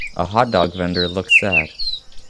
A hotdog vendor looks sad